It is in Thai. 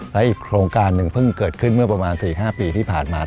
และอีกโครงการหนึ่งเพิ่งเกิดขึ้นเมื่อประมาณ๔๕ปีที่ผ่านมา